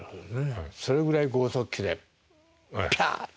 それぐらい豪速球でピャッと。